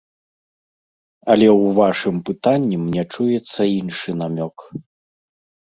Але ў вашым пытанні мне чуецца іншы намёк.